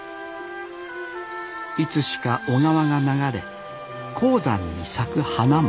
いつしか小川が流れ高山に咲く花も